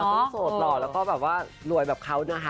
ต้องโสดหล่อแล้วก็แบบว่ารวยแบบเขานะคะ